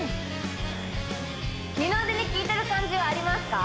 二の腕に効いてる感じはありますか？